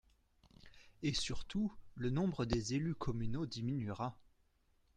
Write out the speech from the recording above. Et surtout, le nombre des élus communaux diminuera.